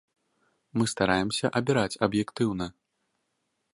Мы стараемся абіраць аб'ектыўна.